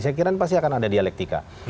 saya kira ini pasti akan ada dialektika